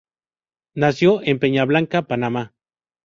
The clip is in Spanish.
Nació en Peña Blanca, Panamá.